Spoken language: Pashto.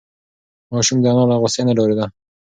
ماشوم د انا له غوسې نه ډارېده.